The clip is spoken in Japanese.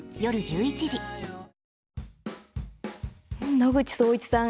野口聡一さん